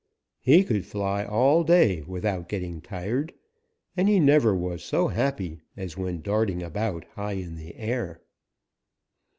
He could fly all day without getting tired, and he never was so happy as when darting about high in the air.